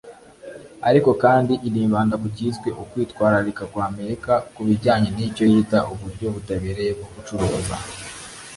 ariko kandi inibanda ku cyiswe ukwitwararika kw’Amerika ku bijyanye n’icyo yita uburyo butabereye bwo gucuruza